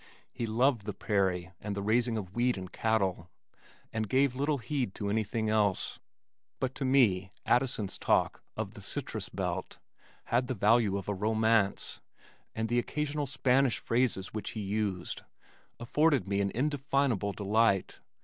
He loved the prairie and the raising of wheat and cattle, and gave little heed to anything else, but to me Addison's talk of "the citrus belt" had the value of a romance, and the occasional Spanish phrases which he used afforded me an indefinable delight.